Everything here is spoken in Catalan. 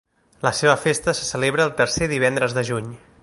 La seva festa se celebra el tercer divendres de juny.